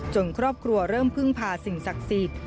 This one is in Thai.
ครอบครัวเริ่มพึ่งพาสิ่งศักดิ์สิทธิ์